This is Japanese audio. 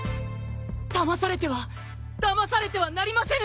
だまされてはだまされてはなりませぬ！